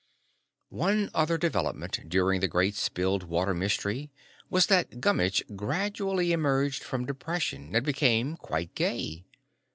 One other development during the Great Spilled Water Mystery was that Gummitch gradually emerged from depression and became quite gay.